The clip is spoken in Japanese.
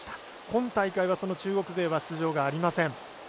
今大会は、その中国勢は出場がありません。